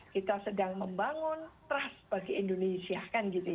kita sedang membangun trust bagi indonesia kan gitu ya